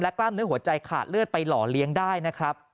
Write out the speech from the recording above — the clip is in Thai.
กล้ามเนื้อหัวใจขาดเลือดไปหล่อเลี้ยงได้นะครับ